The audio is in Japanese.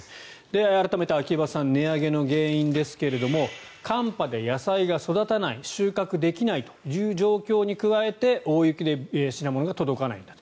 改めて秋葉さん値上げの原因ですが寒波で野菜が育たない収穫できないという状況に加えて大雪で品物が届かないんだと。